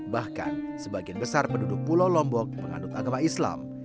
bahkan sebagian besar penduduk pulau lombok penganut agama islam